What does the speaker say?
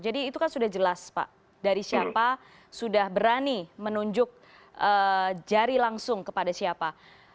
jadi itu kan sudah jelas pak dari siapa sudah berani menunjuk jari langsung kepada siapa